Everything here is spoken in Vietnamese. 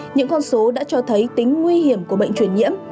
những con số đã cho thấy tính nguy hiểm của bệnh truyền nhiễm